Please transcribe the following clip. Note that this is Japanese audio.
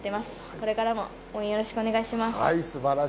これからも応援よろしくお願いします。